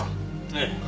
ええ。